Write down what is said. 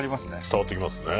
伝わってきますね。